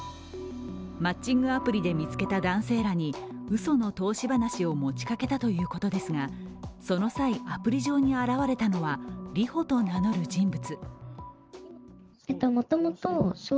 マッチングアプリで見つけた男性らにうその投資話を持ちかけたということですが、その際、アプリ上に現れたのはりほと名乗る人物。